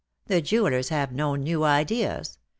The jewellers have no new ideas.